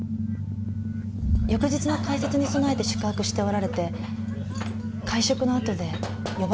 翌日の解説に備えて宿泊しておられて会食のあとで呼ばれたんです。